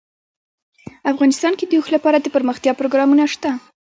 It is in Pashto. افغانستان کې د اوښ لپاره دپرمختیا پروګرامونه شته.